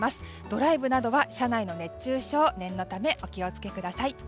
ドライブなどは車内の熱中症念のためお気を付けください。